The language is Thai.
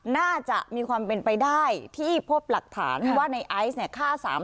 น่าจะมีความเป็นไปได้ที่พบหลักฐานว่าในไอซ์เนี่ยฆ่า๓๐๐